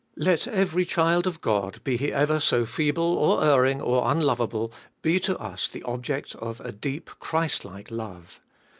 Let every child of God, be he ever so feeble or erring or unlovable, be to us the object of a deep, Christlike love.